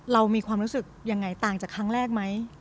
เรามีความรู้สึกยังไงต่างจากครั้งแรกไหม